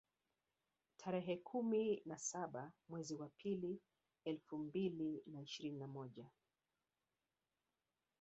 Tarehe kumi na saba mwezi wa pili elfu mbili na ishirini na moja